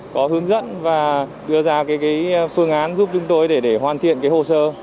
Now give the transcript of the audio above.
có hướng dẫn và đưa ra cái phương án giúp chúng tôi để hoàn thiện hồ sơ